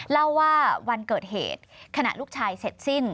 เล่าว่าวันเกิดเหตุขณะลูกชายเสร็จสิ้น